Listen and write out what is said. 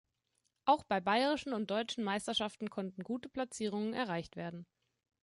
Auch bei bayerischen und deutschen Meisterschaften konnten gute Platzierungen erreicht werden.